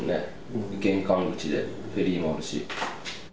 玄関口でフェリーもあるし。